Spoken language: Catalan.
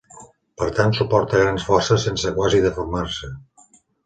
Per tant suporta grans forces sense quasi deformar-se.